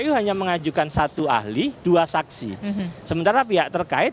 hati hati sekarang justru cita rasa termohonnya ada pada pihak terkait